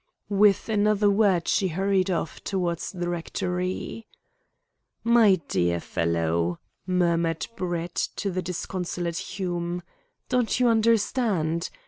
Without another word she hurried off towards the rectory. "My dear fellow," murmured Brett to the disconsolate Hume, "don't you understand?